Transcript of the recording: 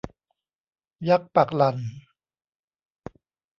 ยักษ์ปักหลั่น